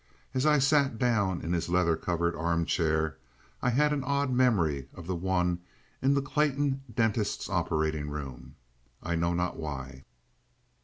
As I sat down in his leather covered armchair, I had an odd memory of the one in the Clayton dentist's operating room—I know not why.